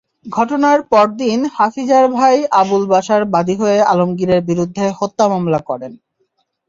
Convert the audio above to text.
ঘটনার পরদিন হাফিজার ভাই আবুল বাশার বাদী হয়ে আলমগীরের বিরুদ্ধে হত্যা মামলা করেন।